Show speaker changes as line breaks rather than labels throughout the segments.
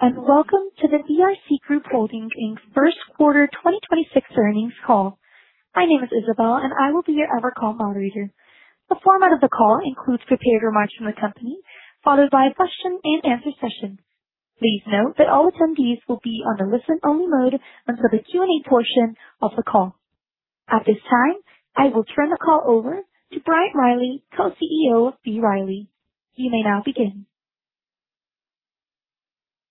Good day, welcome to the BRC Group Holdings Inc. 1st quarter 2026 earnings call. My name is Isabelle, and I will be your EverCall moderator. The format of the call includes prepared remarks from the company, followed by a question-and-answer session. Please note that all attendees will be on a listen-only mode until the Q&A portion of the call. At this time, I will turn the call over to Bryant Riley, Co-CEO of B. Riley. You may now begin.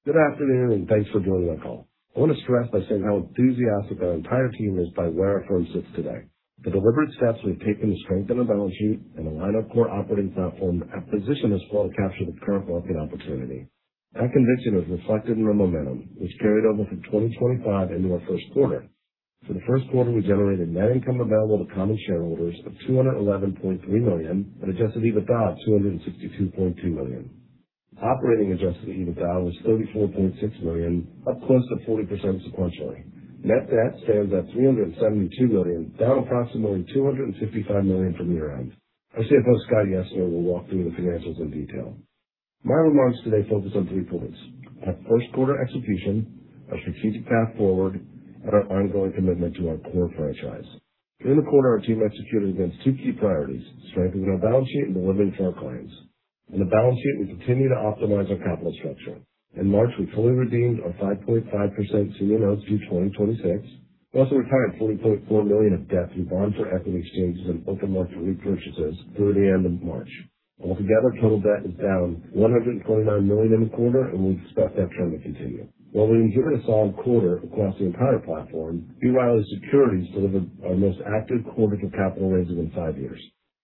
Good afternoon, and thanks for joining our call. I want to start off by saying how enthusiastic our entire team is by where our firm sits today. The deliberate steps we've taken to strengthen our balance sheet and align our core operating platform have positioned us well to capture this current market opportunity. That conviction is reflected in our momentum, which carried over from 2025 into our 1st quarter. For the 1st quarter, we generated net income available to common shareholders of $211.3 million and adjusted EBITDA of $262.2 million. Operating adjusted EBITDA was $34.6 million, up close to 40% sequentially. Net debt stands at $372 million, down approximately $255 million from year-end. Our CFO, Scott Yessner, will walk through the financials in detail. My remarks today focus on three points: our first quarter execution, our strategic path forward, and our ongoing commitment to our core franchise. During the quarter, our team executed against two key priorities: strengthening our balance sheet and delivering for our clients. On the balance sheet, we continue to optimize our capital structure. In March, we fully redeemed our 5.5% senior notes due 2026. We also retired $40.4 million of debt through bond for equity exchanges and open market repurchases through the end of March. Altogether, total debt is down $129 million in the quarter, and we expect that trend to continue. While we inherited a solid quarter across the entire platform, B. Riley Securities delivered our most active quarter for capital raising in five years.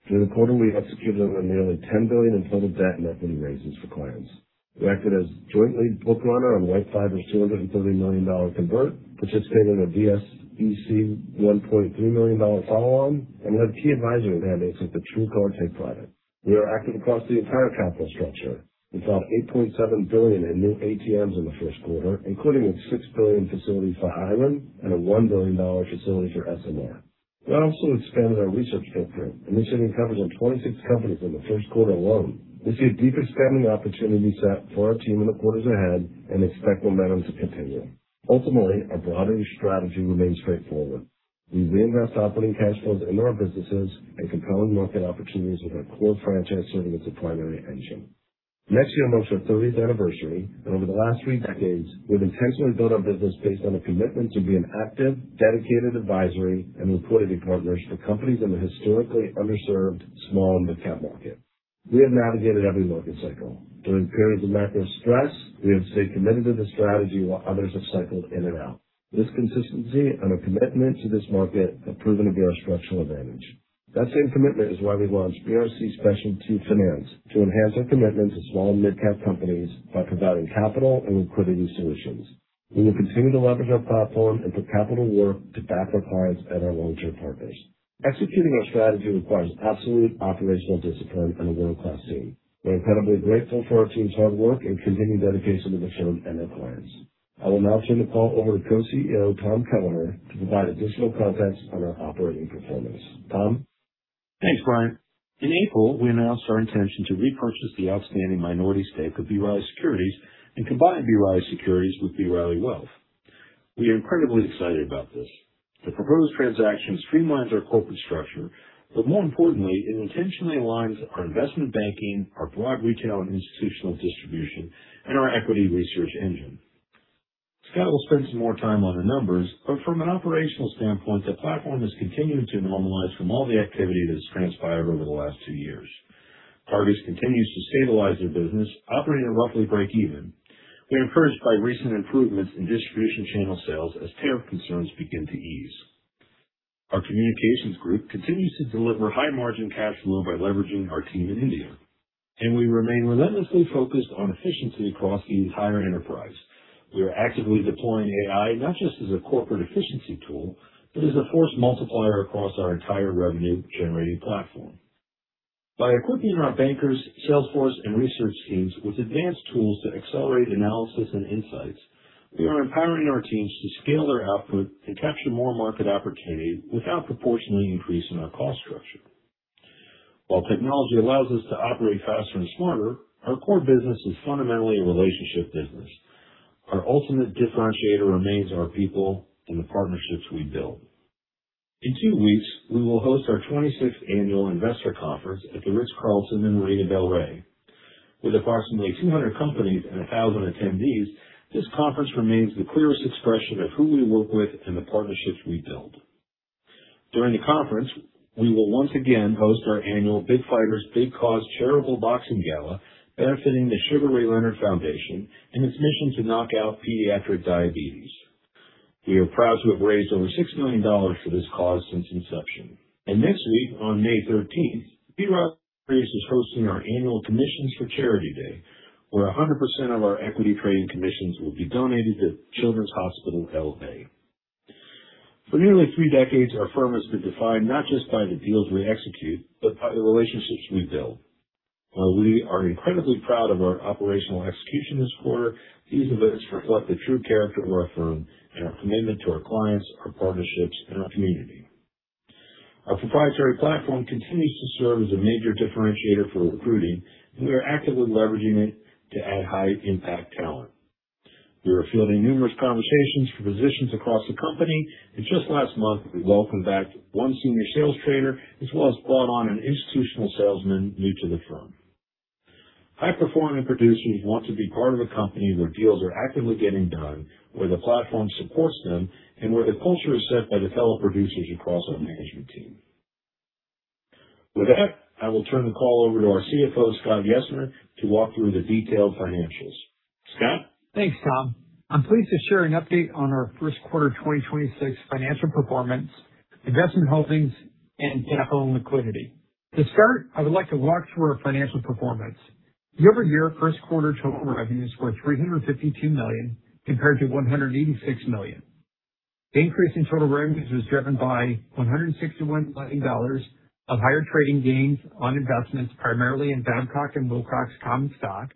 During the quarter, we executed on nearly $10 billion in total debt and equity raises for clients. We acted as joint lead book runner on WhiteFiber's $230 million convert, participated in a DSBC $1.3 million follow on, and we had key advisory mandates with the TrueCar take private. We are active across the entire capital structure. We saw $8.7 billion in new ATMs in the first quarter, including a $6 billion facility for Highland and a $1 billion facility for SMR. We also expanded our research footprint, initiating coverage on 26 companies in the first quarter alone. We see a deep expanding opportunity set for our team in the quarters ahead and expect momentum to continue. Ultimately, our broader strategy remains straightforward. We reinvest operating cash flows into our businesses and compelling market opportunities with our core franchise serving as the primary engine. Next year marks our thirtieth anniversary, and over the last three decades, we've intentionally built our business based on a commitment to be an active, dedicated advisory and liquidity partners for companies in the historically underserved small and midcap market. We have navigated every market cycle. During periods of macro stress, we have stayed committed to this strategy while others have cycled in and out. This consistency and a commitment to this market have proven to be our structural advantage. That same commitment is why we launched BRC Specialty Finance to enhance our commitment to small and midcap companies by providing capital and liquidity solutions. We will continue to leverage our platform and put capital to work to back our clients and our long-term partners. Executing our strategy requires absolute operational discipline and a world-class team. We're incredibly grateful for our team's hard work and continued dedication to the firm and our clients. I will now turn the call over to Co-CEO Tom Kelleher to provide additional context on our operating performance. Tom?
Thanks, Bryant. In April, we announced our intention to repurchase the outstanding minority stake of B. Riley Securities and combine B. Riley Securities with B. Riley Wealth. We are incredibly excited about this. The proposed transaction streamlines our corporate structure. More importantly, it intentionally aligns our investment banking, our broad retail and institutional distribution, and our equity research engine. Scott will spend some more time on the numbers. From an operational standpoint, the platform is continuing to normalize from all the activity that has transpired over the last two years. Targus continues to stabilize their business, operating at roughly breakeven. We are encouraged by recent improvements in distribution channel sales as tariff concerns begin to ease. Our communications group continues to deliver high-margin cash flow by leveraging our team in India. We remain relentlessly focused on efficiency across the entire enterprise. We are actively deploying AI not just as a corporate efficiency tool, but as a force multiplier across our entire revenue-generating platform. By equipping our bankers, sales force, and research teams with advanced tools to accelerate analysis and insights, we are empowering our teams to scale their output and capture more market opportunity without proportionally increasing our cost structure. While technology allows us to operate faster and smarter, our core business is fundamentally a relationship business. Our ultimate differentiator remains our people and the partnerships we build. In two weeks, we will host our 26th annual investor conference at The Ritz-Carlton, Marina del Rey. With approximately 200 companies and 1,000 attendees, this conference remains the clearest expression of who we work with and the partnerships we build. During the conference, we will once again host our annual Big Fighters, Big Cause charitable boxing gala benefiting the Sugar Ray Leonard Foundation and its mission to knock out pediatric diabetes. We are proud to have raised over $6 million for this cause since inception. Next week, on May 13th, B. Riley Securities is hosting our annual Commissions for Charity Day, where 100% of our equity trading commissions will be donated to Children's Hospital L.A. For nearly three decades, our firm has been defined not just by the deals we execute, but by the relationships we build. While we are incredibly proud of our operational execution this quarter, these events reflect the true character of our firm and our commitment to our clients, our partnerships, and our community. Our proprietary platform continues to serve as a major differentiator for recruiting, and we are actively leveraging it to add high impact talent. We are fielding numerous conversations for positions across the company, and just last month we welcomed back one senior sales trader as well as brought on an institutional salesman new to the firm. High performing producers want to be part of a company where deals are actively getting done, where the platform supports them, and where the culture is set by the fellow producers across our management team. With that, I will turn the call over to our CFO, Scott Yessner, to walk through the detailed financials. Scott?
Thanks, Tom. I'm pleased to share an update on our first quarter 2026 financial performance, investment holdings and capital liquidity. To start, I would like to walk through our financial performance. Year-over-year first quarter total revenues were $352 million, compared to $186 million. The increase in total revenues was driven by $161 million of higher trading gains on investments primarily in Babcock & Wilcox common stock,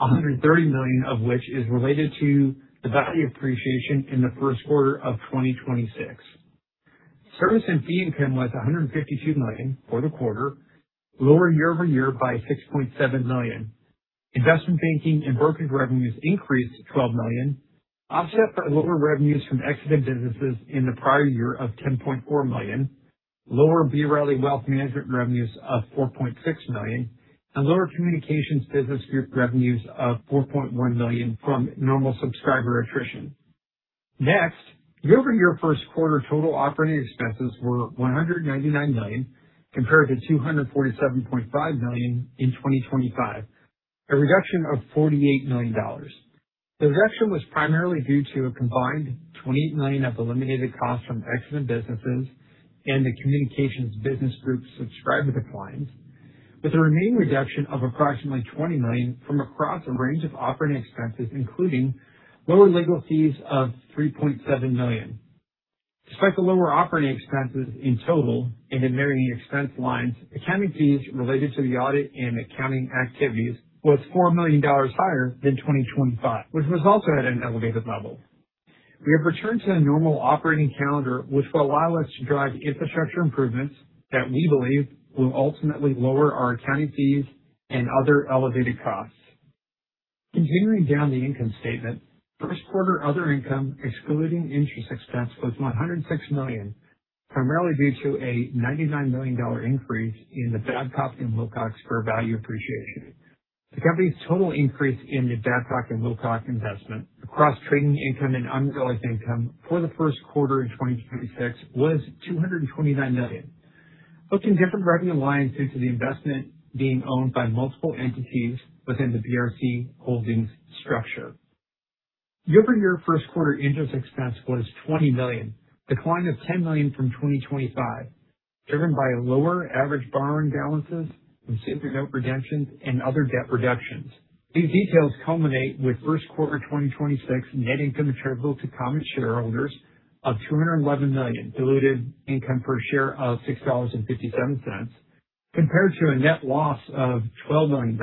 $130 million of which is related to the value appreciation in the first quarter of 2026. Service and fee income was $152 million for the quarter, lower year-over-year by $6.7 million. Investment banking and brokerage revenues increased $12 million, offset by lower revenues from exited businesses in the prior year of $10.4 million, lower B. Riley Wealth Management revenues of $4.6 million, and lower Communications Business Group revenues of $4.1 million from normal subscriber attrition. Year-over-year first quarter total operating expenses were $199 million compared to $247.5 million in 2025, a reduction of $48 million. The reduction was primarily due to a combined $20 million of eliminated costs from exited businesses and the Communications Business Group subscriber declines, with a remaining reduction of approximately $20 million from across a range of operating expenses, including lower legal fees of $3.7 million. Despite the lower operating expenses in total and in many expense lines, accounting fees related to the audit and accounting activities was $4 million higher than 2025, which was also at an elevated level. We have returned to a normal operating calendar which will allow us to drive infrastructure improvements that we believe will ultimately lower our accounting fees and other elevated costs. Continuing down the income statement, first quarter other income excluding interest expense was $106 million, primarily due to a $99 million increase in the Babcock & Wilcox fair value appreciation. The company's total increase in the Babcock & Wilcox investment across trading income and unrealized income for the first quarter in 2026 was $229 million. Booked in different revenue lines due to the investment being owned by multiple entities within the BRC Group Holdings structure. Year-over-year first quarter interest expense was $20 million, decline of $10 million from 2025, driven by lower average borrowing balances from senior note redemptions and other debt reductions. These details culminate with first quarter 2026 net income attributable to common shareholders of $211 million, diluted income per share of $6.57, compared to a net loss of $12 million,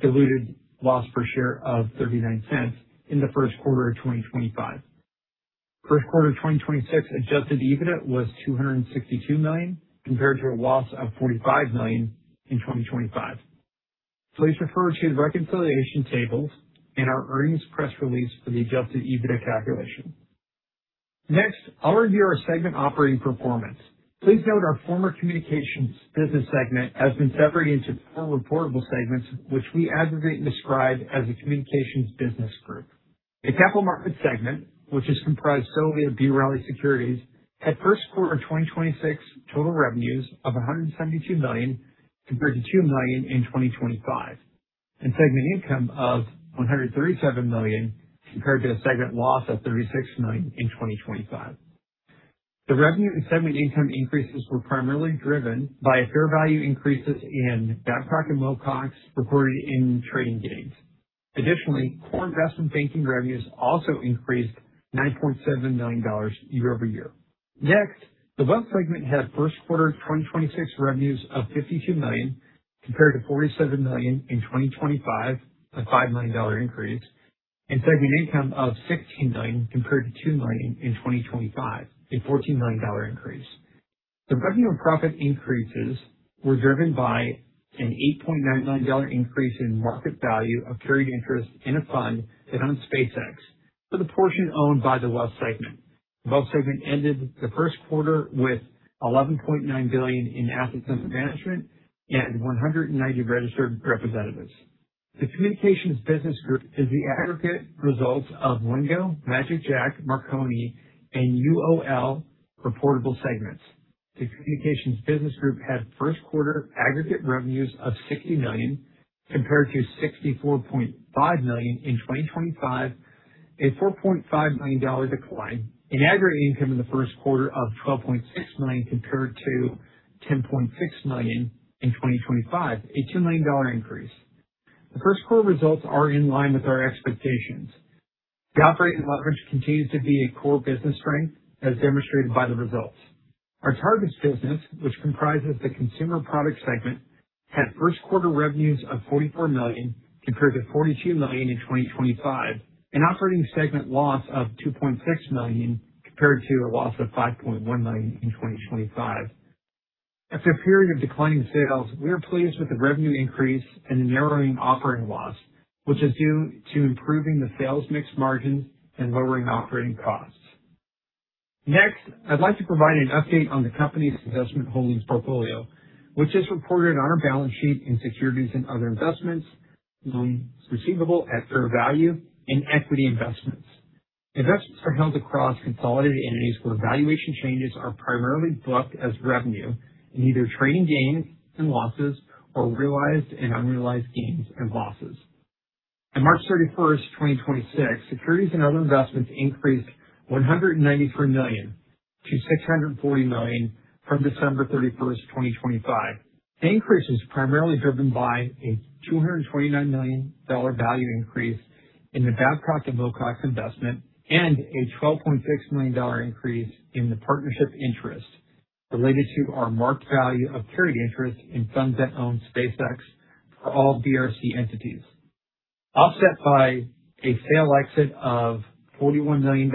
diluted loss per share of $0.39 in the first quarter of 2025. First quarter 2026 adjusted EBITDA was $262 million, compared to a loss of $45 million in 2025. Please refer to the reconciliation tables in our earnings press release for the adjusted EBITDA calculation. Next, I'll review our segment operating performance. Please note our former communications business segment has been separated into four reportable segments, which we aggregate and describe as a Communications Business Group. The capital markets segment, which is comprised solely of B. Riley Securities. Riley Securities had first quarter 2026 total revenues of $172 million compared to $2 million in 2025, and segment income of $137 million compared to a segment loss of $36 million in 2025. The revenue and segment income increases were primarily driven by fair value increases in Babcock & Wilcox reported in trading gains. Additionally, core investment banking revenues also increased $9.7 million year-over-year. Next, the Wealth segment had first quarter 2026 revenues of $52 million compared to $47 million in 2025, a $5 million increase, and segment income of $16 million compared to $2 million in 2025, a $14 million increase. The revenue and profit increases were driven by an $8.9 million increase in market value of carried interest in a fund that owns SpaceX for the portion owned by the wealth segment. The wealth segment ended the first quarter with $11.9 billion in assets under management and 190 registered representatives. The Communications Business Group is the aggregate results of Lingo, magicJack, Marconi, and UOL reportable segments. The Communications Business Group had first quarter aggregate revenues of $60 million compared to $64.5 million in 2025, a $4.5 million decline, and aggregate income in the first quarter of $12.6 million compared to $10.6 million in 2025, a $2 million increase. The first quarter results are in line with our expectations. The operating leverage continues to be a core business strength as demonstrated by the results. Our targets business, which comprises the consumer products segment had first quarter revenues of $44 million compared to $42 million in 2025. An operating segment loss of $2.6 million compared to a loss of $5.1 million in 2025. After a period of declining sales, we are pleased with the revenue increase and the narrowing operating loss, which is due to improving the sales mix margins and lowering operating costs. Next, I'd like to provide an update on the company's investment holdings portfolio, which is reported on our balance sheet in securities and other investments, loans receivable at fair value, and equity investments. Investments are held across consolidated entities where valuation changes are primarily booked as revenue in either trading gains and losses or realized and unrealized gains and losses. On 31st March 2026, securities and other investments increased $194 million-$640 million from 31st December 2025. The increase is primarily driven by a $229 million value increase in the Babcock & Wilcox investment and a $12.6 million increase in the partnership interest related to our marked value of carried interest in funds that own SpaceX for all BRC entities. Offset by a sale exit of $41 million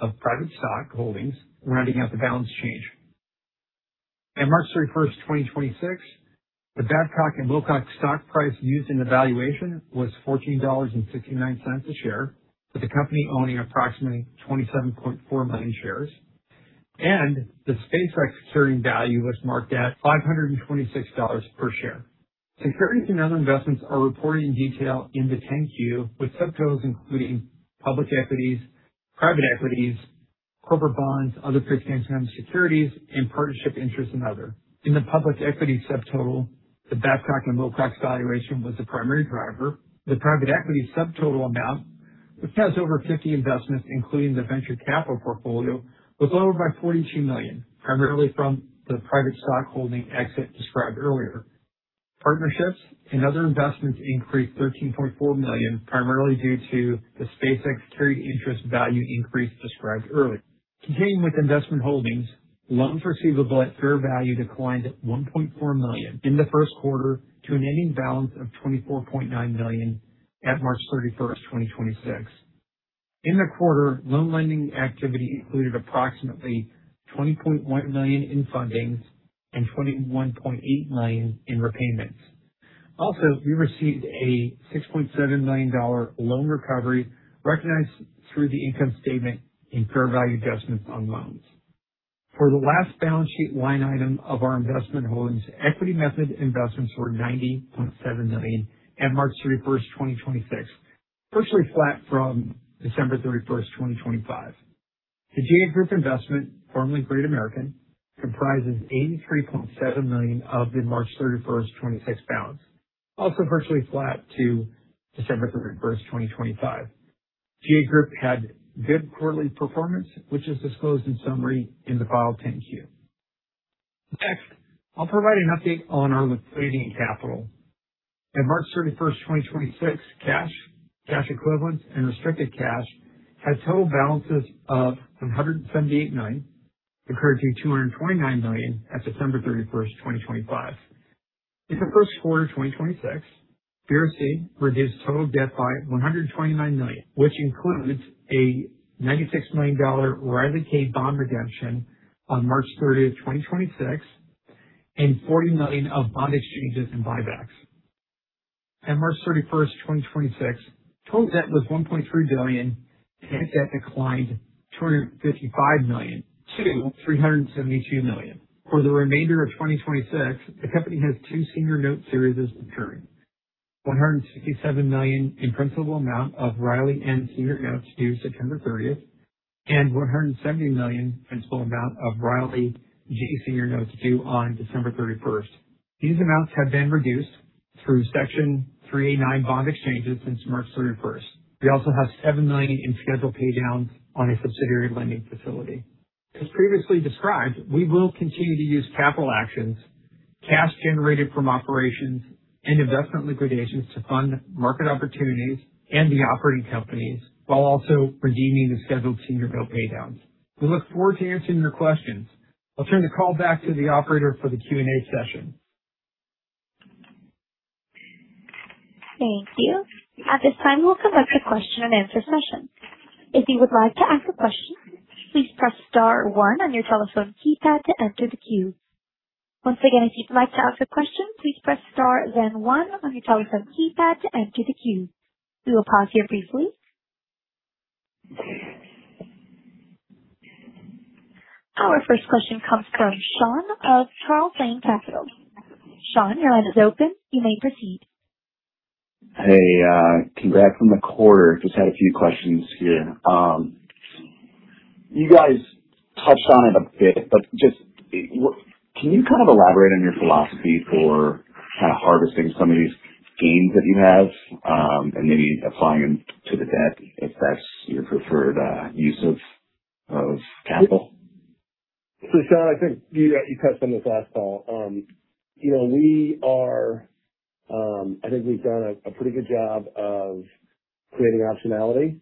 of private stock holdings, rounding out the balance change. At 31st March 2026, the Babcock & Wilcox stock price used in the valuation was $14.69 a share, with the company owning approximately 27.4 million shares. The SpaceX security value was marked at $526 per share. Securities and other investments are reported in detail in the 10-Q, with subtotals including public equities, private equities, corporate bonds, other fixed income securities and partnership interests and other. In the public equity subtotal, the Babcock & Wilcox valuation was the primary driver. The private equity subtotal amount, which has over 50 investments including the venture capital portfolio, was lower by $42 million, primarily from the private stock holding exit described earlier. Partnerships and other investments increased $13.4 million, primarily due to the SpaceX carried interest value increase described earlier. Continuing with investment holdings, loans receivable at fair value declined $1.4 million in the first quarter to an ending balance of $24.9 million at 31st March 2026. In the quarter, loan lending activity included approximately $20.1 million in fundings and $21.8 million in repayments. We received a $6.7 million loan recovery recognized through the income statement in fair value adjustments on loans. For the last balance sheet line item of our investment holdings, equity method investments were $90.7 million at 31st March 2026, virtually flat from 31st December 2025. The GA Group investment, formerly Great American, comprises $83.7 million of the 31st March 2026 balance, also virtually flat to 31st December 2025. GA Group had good quarterly performance, which is disclosed in summary in the file 10-Q. Next, I'll provide an update on our liquidity and capital. At 31st March 2026, cash equivalents and restricted cash had total balances of $178 million compared to $229 million at 31st December 2025. In the first quarter 2026, BRC reduced total debt by $129 million, which includes a $96 million RILYK bond redemption on March 30th, 2026, and $40 million of bond exchanges and buybacks. At March 31st, 2026, total debt was $1.3 billion, and debt declined $255 million-$372 million. For the remainder of 2026, the company has two senior note series maturing. $167 million in principal amount of RILYN senior notes due September 30th and $170 million in principal amount of RILYG senior notes due on December 31st. These amounts have been reduced through Section three(a)(9) bond exchanges since March 31st. We also have $7 million in scheduled pay downs on a subsidiary lending facility. As previously described, we will continue to use capital actions, cash generated from operations and investment liquidations to fund market opportunities and the operating companies while also redeeming the scheduled senior note pay downs. We look forward to answering your questions. I'll turn the call back to the operator for the Q&A session.
Thank you. At this time, we'll conduct a question and answer session. If you would like to ask a question, please press star one on your telephone keypad to enter the queue. Once again, if you'd like to ask a question, please press star then one on your telephone keypad to enter the queue. We will pause here briefly. Our first question comes from Sean of Charles Lane Capital. Sean, your line is open. You may proceed.
Hey, congrats on the quarter. Just had a few questions here. You guys touched on it a bit, but can you kind of elaborate on your philosophy for kind of harvesting some of these gains that you have, and maybe applying them to the debt if that's your preferred, use of capital?
Sean, I think you touched on this last call. You know, we are I think we've done a pretty good job of creating optionality.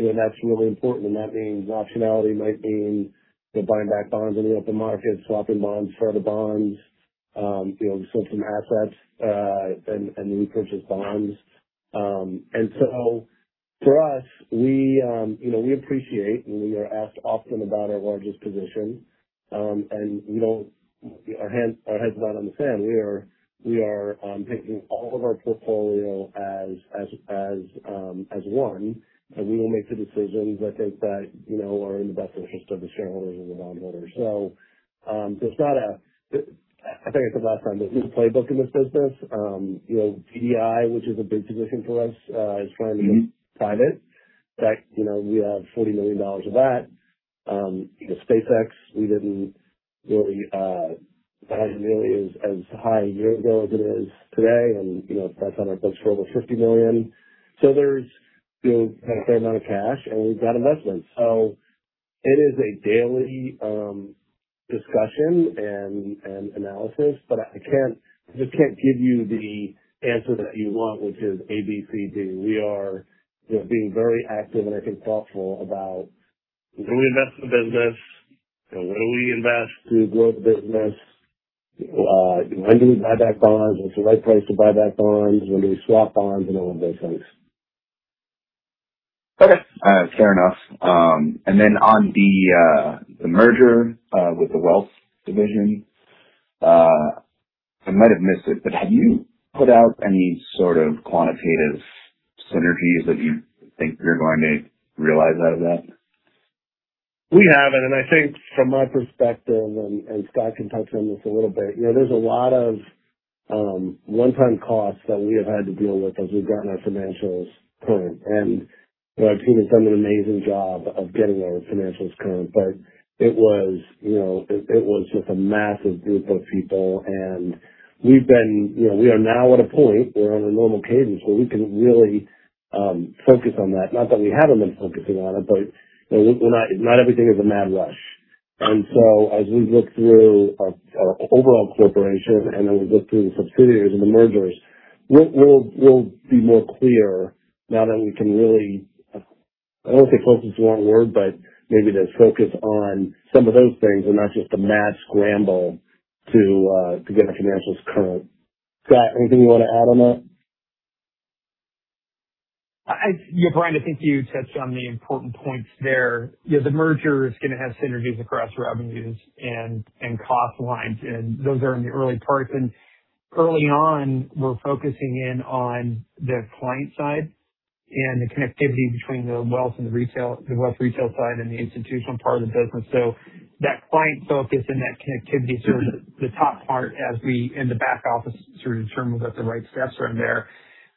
You know, that's really important. That means optionality might mean, you know, buying back bonds in the open market, swapping bonds for other bonds. You know, we sold some assets and repurchased bonds. For us, we, you know, we appreciate when we are asked often about our largest position. We don't. Our head's not on the sand. We are taking all of our portfolio as one, we will make the decisions I think that, you know, are in the best interest of the shareholders and the bondholders. There's not a I think I said last time there's no playbook in this business. You know, PDI, which is a big position for us, is finally going private. In fact, you know, we have $40 million of that. You know, SpaceX, we didn't really have nearly as high a year ago as it is today. You know, that's on our books for over $50 million. There's, you know, a fair amount of cash, and we've got investments. It is a daily discussion and analysis, but I just can't give you the answer that you want, which is A, B, C, D. We are, you know, being very active and I think thoughtful about do we invest in the business? You know, where do we invest to grow the business? When do we buy back bonds? What's the right place to buy back bonds? When do we swap bonds and all those things?
Okay. Fair enough. On the merger with the wealth division, I might have missed it, but have you put out any sort of quantitative synergies that you think you're going to realize out of that?
We haven't. I think from my perspective, Scott can touch on this a little bit. You know, there's a lot of one-time costs that we have had to deal with as we've gotten our financials current. Our team has done an amazing job of getting our financials current. It was, you know, it was just a massive group of people. We've been, you know, we are now at a point where on a normal cadence where we can really focus on that. Not that we haven't been focusing on it, but, you know, not everything is a mad rush. As we look through our overall corporation and then we look through the subsidiaries and the mergers, we'll be more clear now that we can really, I don't want to say focus is the wrong word, but maybe to focus on some of those things and not just the mad scramble to get our financials current. Scott, anything you want to add on that?
Yeah, Bryant Riley, I think you touched on the important points there. You know, the merger is going to have synergies across revenues and cost lines, and those are in the early parts. Early on, we're focusing in on the client side and the connectivity between the wealth and the retail, the wealth retail side and the institutional part of the business. That client focus and that connectivity serves the top part as we in the back office sort of determine that the right steps are in there.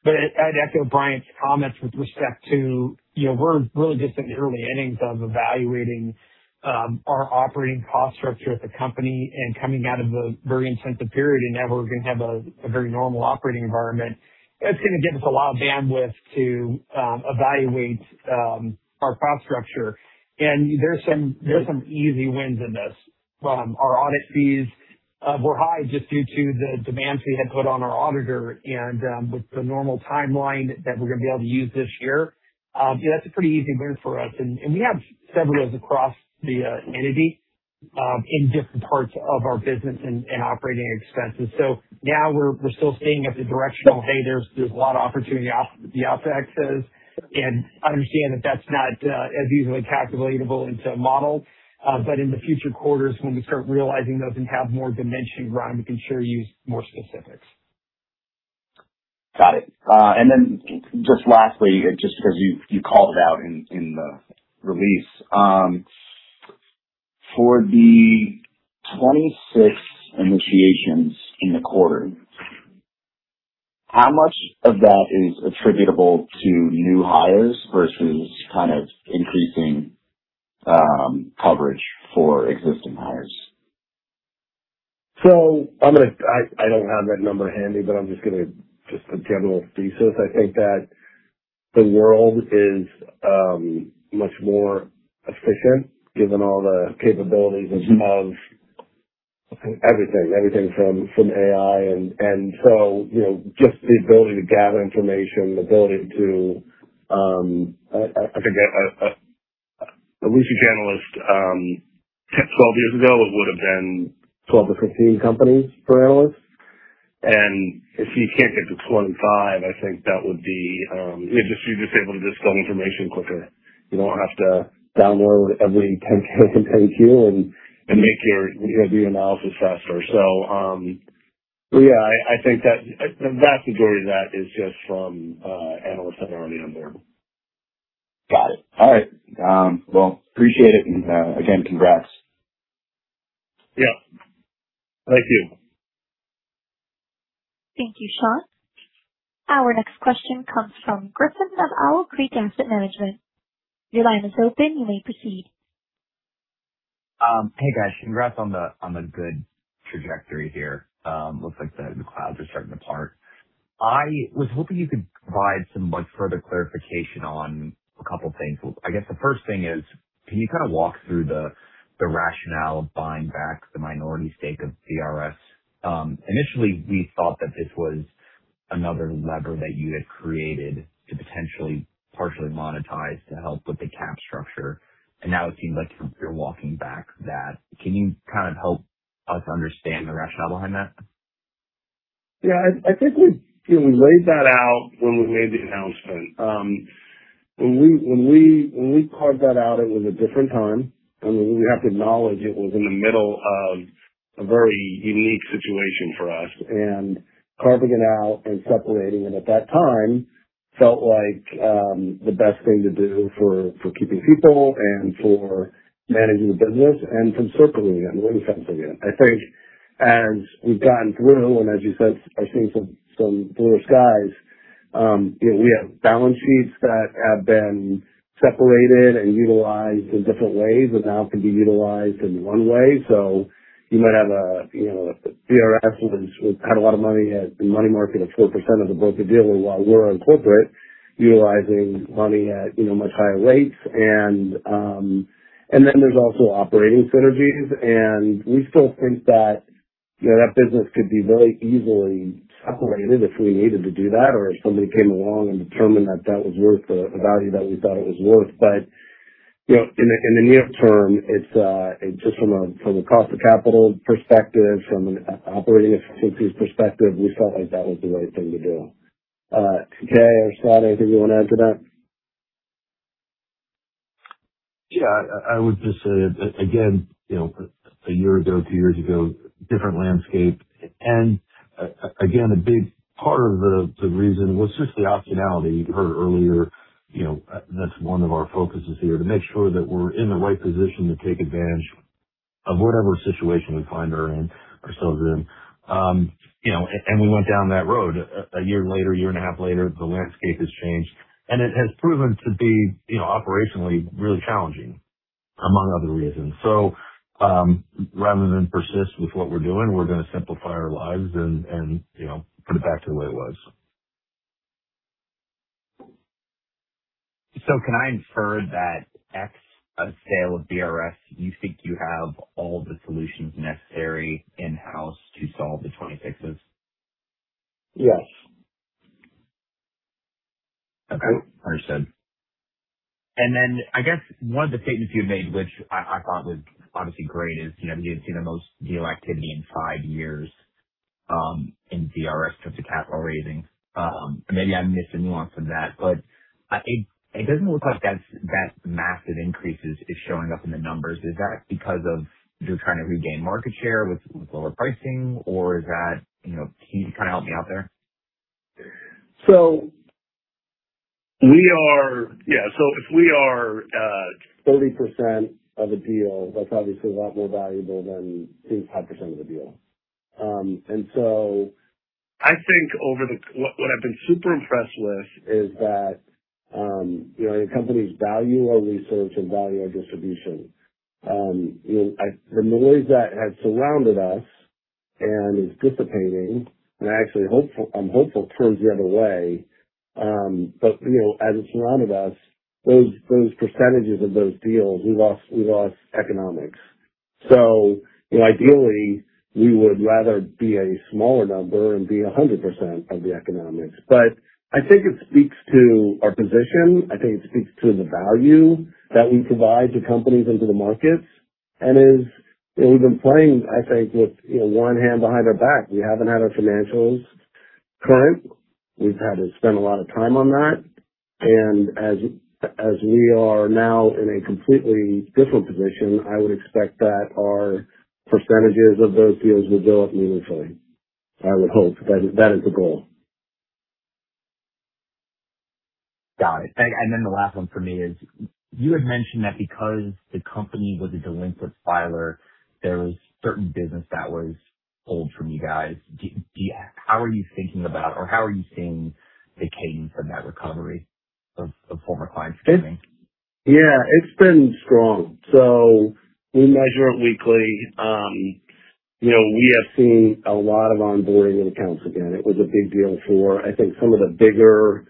I'd echo Bryant Riley's comments with respect to, you know, we're really just in the early innings of evaluating our operating cost structure at the company and coming out of a very intensive period. Now we're gonna have a very normal operating environment that's gonna give us a lot of bandwidth to evaluate our cost structure. There's some easy wins in this. Our audit fees were high just due to the demands we had put on our auditor and with the normal timeline that we're gonna be able to use this year. You know, that's a pretty easy win for us. We have several of those across the entity in different parts of our business and operating expenses. Now we're still staying at the directional, "Hey, there's a lot of opportunity off the outsets." Understand that that's not as easily calculable into a model. In the future quarters, when we start realizing those and have more dimension, Bryant Riley, we can share you more specifics.
Got it. Just lastly, just because you called it out in the release. For the 26 initiations in the quarter, how much of that is attributable to new hires versus kind of increasing coverage for existing hires?
I don't have that number handy, but I'm just gonna a general thesis. I think that the world is much more efficient given all the capabilities of everything. Everything from AI and so, you know, just the ability to gather information, the ability to, I think a research analyst 10, 12 years ago, it would have been 12-15 companies per analyst. If you can't get to 25, I think that would be, you know, you're just able to distill information quicker. You don't have to download every 10-K and 10-Q and make your, you know, do your analysis faster. I think that the vast majority of that is just from analysts that are already on board.
Got it. All right. Well, appreciate it, and again, congrats.
Yeah. Thank you.
Thank you, Sean. Our next question comes from Griffin of Owl Creek Asset Management. Your line is open. You may proceed.
Hey, guys. Congrats on the, on the good trajectory here. Looks like the clouds are starting to part. I was hoping you could provide some much further clarification on a couple of things. I guess the first thing is, can you kind of walk through the rationale of buying back the minority stake of BRS? Initially, we thought that this was another lever that you had created to potentially partially monetize to help with the cap structure, and now it seems like you're walking back that. Can you kind of help us understand the rationale behind that?
Yeah, I think we, you know, we laid that out when we made the announcement. When we carved that out, it was a different time, and we have to acknowledge it was in the middle of a very unique situation for us. Carving it out and separating it at that time felt like the best thing to do for keeping people and for managing the business and from circling it and refactoring it. I think as we've gotten through and as you said, are seeing some bluer skies, you know, we have balance sheets that have been separated and utilized in different ways and now can be utilized in one way. You might have a, you know, a BRS which had a lot of money at the money market at 4% of the broker-dealer while we're on corporate utilizing money at, you know, much higher rates. There's also operating synergies. We still think that, you know, that business could be very easily separated if we needed to do that or if somebody came along and determined that that was worth the value that we thought it was worth. You know, in the, in the near term, it's just from a, from a cost of capital perspective, from an operating efficiencies perspective, we felt like that was the right thing to do. Jay or Scott, anything you wanna add to that?
I would just say again, you know, a year ago, two years ago, different landscape. Again, a big part of the reason was just the optionality. You heard earlier, you know, that's one of our focuses here, to make sure that we're in the right position to take advantage of whatever situation we find ourselves in. You know, we went down that road. A year later, a year and a half later, the landscape has changed. It has proven to be, you know, operationally really challenging, among other reasons. Rather than persist with what we're doing, we're going to simplify our lives and, you know, put it back to the way it was.
Can I infer that X, a sale of BRS, you think you have all the solutions necessary in-house to solve the 26s?
Yes.
Okay. Understood. I guess one of the statements you had made, which I thought was obviously great, is, you know, you didn't see the most deal activity in five years in BRS with the capital raising. Maybe I missed the nuance of that. It doesn't look like that's massive increases is showing up in the numbers. Is that because of you're trying to regain market share with lower pricing, or is that, you know, can you kinda help me out there?
We are Yeah. If we are 30% of a deal, that's obviously a lot more valuable than being 5% of the deal. I think what I've been super impressed with is that, you know, companies value our research and value our distribution. You know, the noise that has surrounded us and is dissipating, and I'm hopeful it turns the other way, you know, as it surrounded us, those percentages of those deals, we lost economics. You know, ideally, we would rather be a smaller number and be 100% of the economics. I think it speaks to our position. I think it speaks to the value that we provide to companies and to the markets. As, you know, we've been playing, I think, with, you know, one hand behind our back. We haven't had our financials current. We've had to spend a lot of time on that. As we are now in a completely different position, I would expect that our percentages of those deals would go up meaningfully. I would hope. That is the goal.
Got it. Then the last one for me is, you had mentioned that because the company was a delinquent filer, there was certain business that was pulled from you guys. How are you thinking about, or how are you seeing the cadence of that recovery of former clients coming?
Yeah, it's been strong. We measure it weekly. You know, we have seen a lot of onboarding in accounts again. It was a big deal for, I think, some of the bigger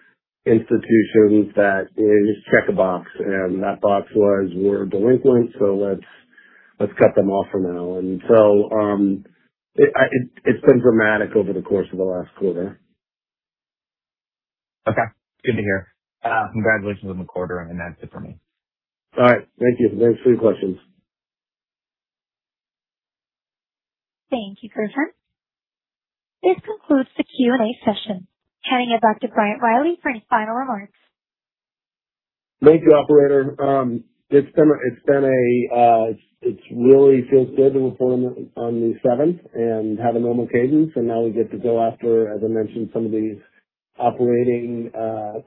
institutions that it is check a box, and that box was, we're delinquent, so let's cut them off for now. It's been dramatic over the course of the last quarter.
Okay. Good to hear. Congratulations on the quarter, and that's it for me.
All right. Thank you. Thanks for your questions.
Thank you, Griffin. This concludes the Q&A session. Turning it back to Bryant Riley for any final remarks.
Thank you, operator. It really feels good to report on the 7th and have a normal cadence. Now we get to go after, as I mentioned, some of these operating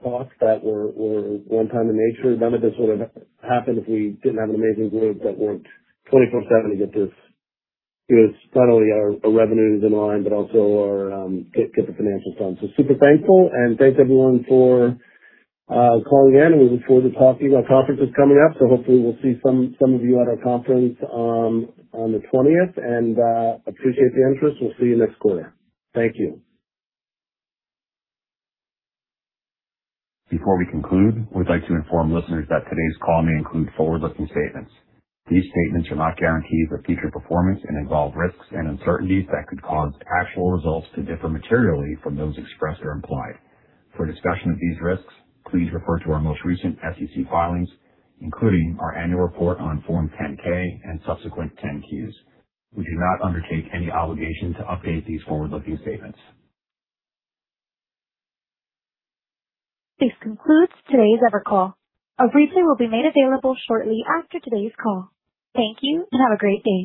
costs that were one-time in nature. None of this would have happened if we didn't have an amazing group that worked 24/7 to get us not only our revenues in line, but also get the financials done. Super thankful, thanks everyone for calling in. We look forward to talking. Our conference is coming up, hopefully we'll see some of you at our conference on the 20th. Appreciate the interest. We'll see you next quarter. Thank you.
Before we conclude, we'd like to inform listeners that today's call may include forward-looking statements. These statements are not guarantees of future performance and involve risks and uncertainties that could cause actual results to differ materially from those expressed or implied. For a discussion of these risks, please refer to our most recent SEC filings, including our annual report on form 10-K and subsequent 10-Qs. We do not undertake any obligation to update these forward-looking statements.
This concludes today's Evercall. A replay will be made available shortly after today's call. Thank you, and have a great day.